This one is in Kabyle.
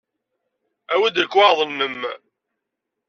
Awi-d lekwaɣeḍ-nnem.